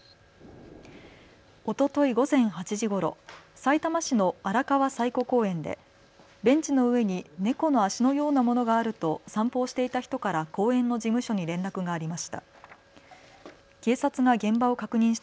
おととい午前８時ごろ、さいたま市の荒川彩湖公園でベンチの上に猫の足のようなものがあると散歩をしていた人から公園の事務所に連絡がありました。